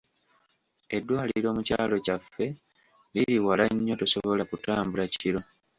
Eddwaliro mu kyalo kyaffe liri wala nnyo, tosobola kutambula kiro.